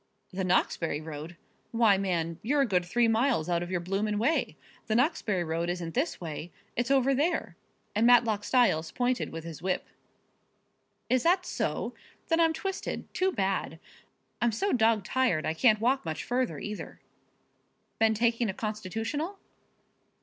"The Knoxbury road? Why, man, you're a good three miles out of your bloomin' way. The Knoxbury road isn't this way it's over there," and Matlock Styles pointed with his whip. "Is that so? Then I'm twisted. Too bad! I'm so dog tired I can't walk much further either." "Been taking a constitutional?"